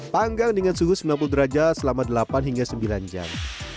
panggang dengan suhu sembilan puluh derajat selama delapan hingga sembilan jam